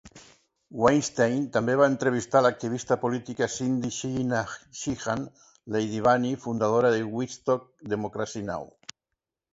Weinstein també va entrevistar l'activista política Cindy Sheehan, Lady Bunny, fundadora de Wigstock, Democracy Now!